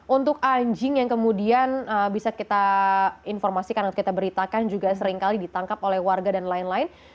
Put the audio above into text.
untuk anjing yang kemudian bisa kita informasikan atau kita beritakan juga seringkali ditangkap oleh warga dan lain lain